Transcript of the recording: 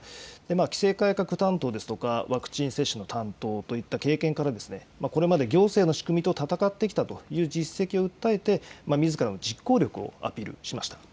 規制改革担当ですとか、ワクチン接種の担当といった経験から、これまで行政の仕組みと戦ってきたという実績を訴えて、みずからの実行力をアピールしました。